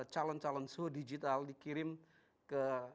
calon calon suhu digital dikirim ke